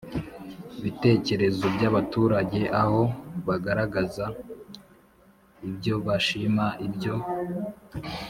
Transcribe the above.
Bitekerezo by abaturage aho bagaragaza ibyo bashima ibyo